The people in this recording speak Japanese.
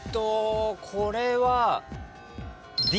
これは。